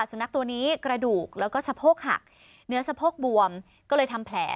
สุนัขตัวนี้กระดูกแล้วก็สะโพกหักเนื้อสะโพกบวมก็เลยทำแผล